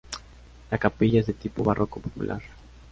La capilla es de tipo barroco popular.